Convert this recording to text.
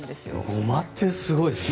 ゴマってすごいですね。